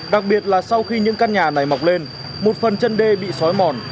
đặc biệt là sau khi những căn nhà này mọc lên một phần chân đê bị xói mòn